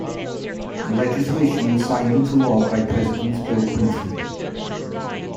The legislation was signed into law by President Bill Clinton.